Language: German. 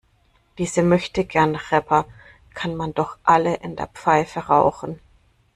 Diese Möchtegern-Rapper kann man doch alle in der Pfeife rauchen.